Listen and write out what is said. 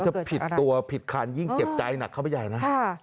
ถ้าผิดตัวผิดคันยิ่งเจ็บใจหนักเข้าไปใหญ่นะ